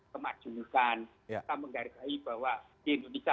kemajukan kita menghargai bahwa di indonesia